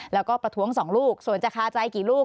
แล้วก็ประท้วง๒ลูกส่วนจะคาใจกี่ลูก